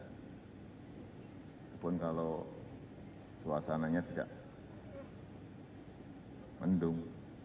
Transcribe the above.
walaupun kalau suasananya tidak mendung